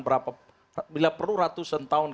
berapa bila perlu ratusan tahun